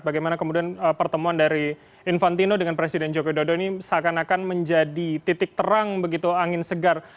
bagaimana kemudian pertemuan dari infantino dengan presiden joko widodo ini seakan akan menjadi titik terang begitu angin segar